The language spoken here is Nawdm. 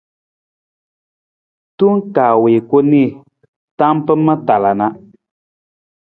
Tong kaa wii ku nii tam pa ma tala na.